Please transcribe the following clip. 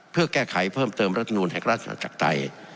เพื่อแก้ไขเพิ่มเติมรัฐธรรมนุษย์แห่งรัฐธรรมจักรไทย